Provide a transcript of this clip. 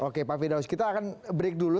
oke pak fidaus kita akan break dulu